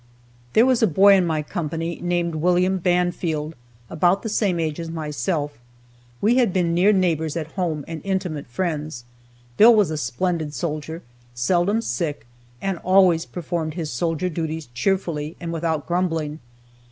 There was a boy in my company named William Banfield, about the same age as myself. We had been near neighbors at home, and intimate friends. Bill was a splendid soldier, seldom sick, and always performed his soldier duties cheerfully and without grumbling.